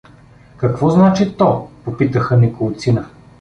— Какво значи то? — попитаха неколцина.